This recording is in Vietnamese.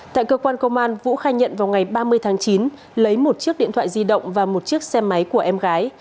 tại cơ quan công an vũ khai nhận vào ngày ba mươi tháng chín lấy một chiếc điện thoại di động và một chiếc xe máy của em gái